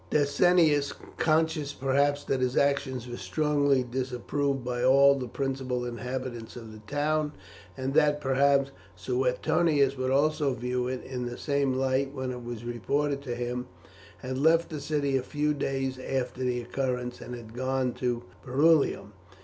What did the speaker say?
Decianus, conscious perhaps that his action was strongly disapproved by all the principal inhabitants of the town, and that, perhaps, Suetonius would also view it in the same light when it was reported to him, had left the city a few days after the occurrence and had gone to Verulamium.